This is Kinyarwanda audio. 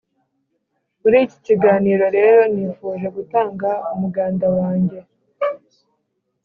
muri iki kiganiro rero, nifuje gutanga umuganda wanjye